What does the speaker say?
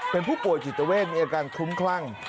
เป็นผู้ป่วยจิตเวทมีอาการคลุ้มคลั่ง